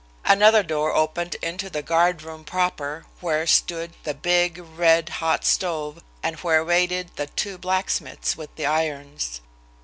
Another door opened into the guardroom proper, where stood the big, red hot stove and where waited two blacksmiths with the irons.